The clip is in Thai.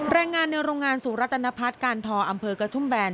แรงงานในโรงงานสุรัตนภัผกาลทออำเภอกัทุมแบรนดิ์